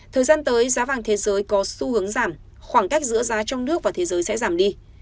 thời gian tới giá vàng thế giới có xu hướng giảm khoảng cách giữa giá trong nước và thế giới sẽ giảm đi